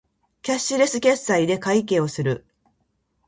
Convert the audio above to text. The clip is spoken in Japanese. キャッシュレス決済で会計をする